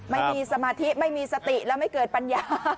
ไม่มีสมาธิไม่มีสติและไม่เกิดปัญญา